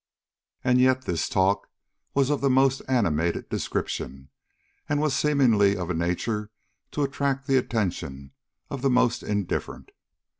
And yet this talk was of the most animated description, and was seemingly of a nature to attract the attention of the most indifferent.